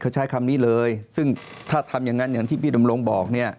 เขาใช้คำนี้เลยซึ่งถ้าทำอย่างนั้นอย่างที่พี่ดำรงบอกเนี่ย